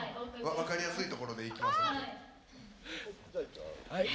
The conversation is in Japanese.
分かりやすいところでいきますんで。